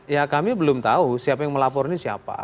ya kami belum tahu siapa yang melapor ini siapa